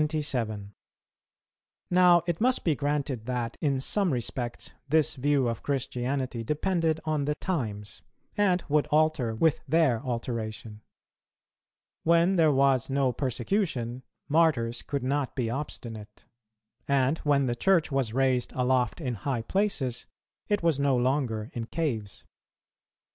Now it must be granted that, in some respects, this view of Christianity depended on the times, and would alter with their alteration. When there was no persecution, Martyrs could not be obstinate; and when the Church was raised aloft in high places, it was no longer in caves.